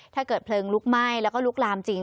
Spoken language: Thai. ถ้าเกิดเพลิงลุกไหม้แล้วก็ลุกลามจริง